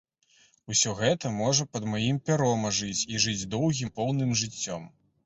Усё гэта можа пад маім пяром ажыць і жыць доўгім поўным жыццём.